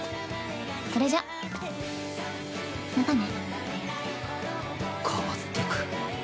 それじゃまたね。